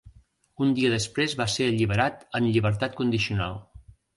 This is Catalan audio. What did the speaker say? Un dia després va ser alliberat en llibertat condicional.